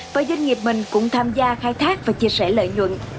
và doanh nghiệp mình cũng tham gia khai thác và chia sẻ lợi nhuận